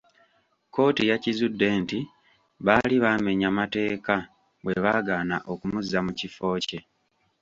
Kkooti yakizudde nti baali baamenya mateeka bwe baagaana okumuzza mu kifo kye.